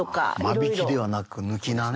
間引きではなく抜菜ね。